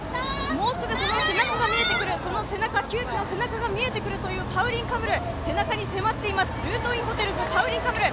もうすぐ、その久木の背中が見えてくるというパウリン・カムル、背中に迫っています、ルートインホテルズ、パウリン・カムル。